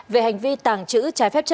về hành vi tàng chữ trái phép trái